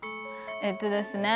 えっとですね